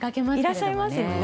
いらっしゃいますよね。